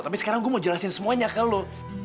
tapi sekarang gue mau jelasin semuanya ke lo